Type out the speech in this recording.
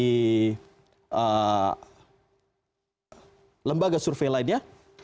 dari lembaga survei lainnya